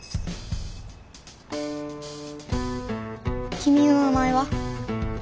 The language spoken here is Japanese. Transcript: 君の名前は？